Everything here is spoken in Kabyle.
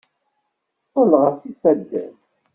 Qqel ɣef yifadden!